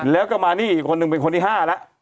แล้วก็มานี่คนหนึ่งเป็นคนอีก๕ละ